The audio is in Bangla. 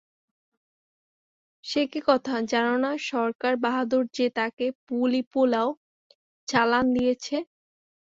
সে কী কথা, জান না, সরকার বাহদুর যে তাকে পুলিপোলাও চালান দিয়েছে?